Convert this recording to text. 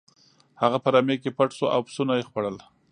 هغه په رمې کې پټ شو او پسونه یې خوړل.